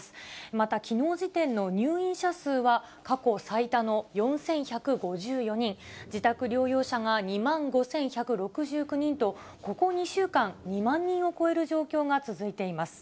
また、きのう時点の入院者数は過去最多の４１５４人、自宅療養者が２万５１６９人と、ここ２週間、２万人を超える状況が続いています。